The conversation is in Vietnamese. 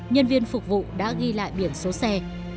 nhân viên phục vụ đã ghi lại biển số xe